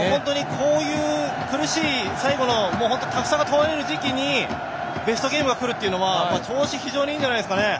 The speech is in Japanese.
こういう苦しい、最後のタフさが問われる時期にベストゲームがくるのは調子がいいんじゃないですかね。